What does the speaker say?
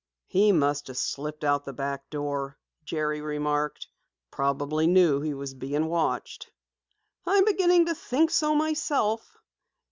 "He must have slipped out the back door," Jerry remarked. "Probably knew he was being watched." "I'm beginning to think so myself."